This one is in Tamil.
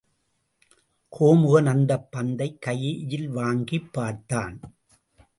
கோமுகன் அந்தப் பந்தைக் கையில் வாங்கிப் பார்த்தான்.